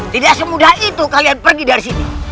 tidak semudah itu kalian pergi dari sini